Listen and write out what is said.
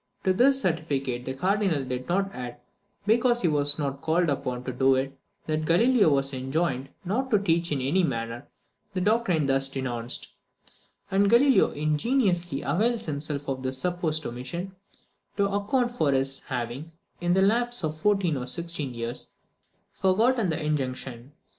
To this certificate the Cardinal did not add, because he was not called upon to do it, that Galileo was enjoined not to teach in any manner the doctrine thus denounced; and Galileo ingeniously avails himself of this supposed omission, to account for his having, in the lapse of fourteen or sixteen years, forgotten the injunction.